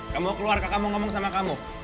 kamu keluar kakak mau ngomong sama kamu